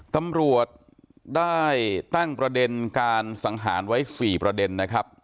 ตำรวจได้ตั้งประเด็นการสังหารไว้๔ประเด็นนะครับ